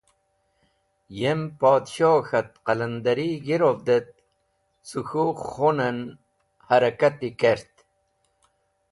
Yem podshoh k̃hat qalandari g̃hirovd et cẽ k̃hũ khun en harakati kert.